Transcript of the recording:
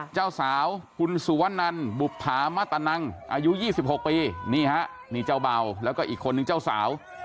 เจ้าสาวคุณสุวนันบุภามัตตนังอายุ๒๖ปีนี่ฮะนี่เจ้าเบาแล้วก็อีกคนนึงเจ้าสาว